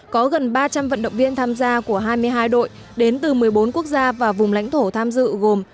có gần ba trăm linh vận động viên tham gia của hai mươi hai đội đến từ một mươi bốn quốc gia và vùng lãnh thổ tham dự gồm